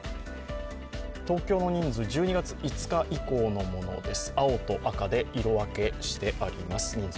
東京の人数１２月５日以降のものです